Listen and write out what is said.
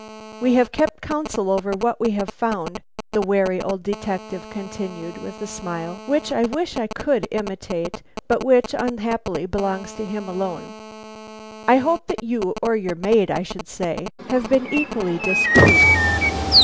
"We have kept counsel over what we have found," the wary old detective continued, with a smile, which I wish I could imitate, but which unhappily belongs to him alone. "I hope that you, or your maid, I should say, have been equally discreet."